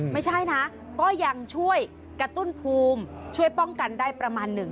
ไม่ใช่นะก็ยังช่วยกระตุ้นภูมิช่วยป้องกันได้ประมาณหนึ่ง